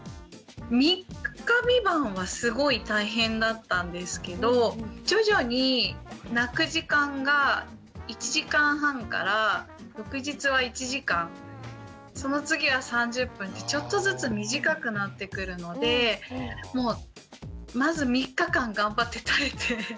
３日３晩はすごい大変だったんですけど徐々に泣く時間が１時間半から翌日は１時間その次は３０分ってちょっとずつ短くなってくるのでもうまず３日間頑張って耐えて。